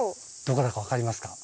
どこだか分かりますか？